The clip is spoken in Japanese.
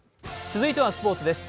続いてはスポーツです。